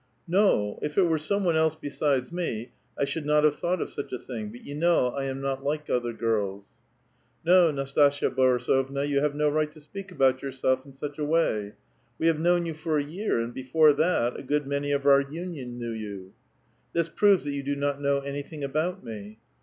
*' No ; if it were some one else besides me, I should not have thought of such a thing ; but you know I am not like other girls." ." No, Nastasia Boiisovna, you have no right to speak about yourself in such a way. We have known you for a year; and before that a good many of our Union knew 30U." *' This proves that you do not know anything about me."